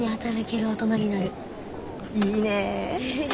いいね！